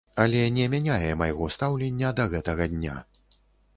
Але не мяняе майго стаўлення да гэтага дня.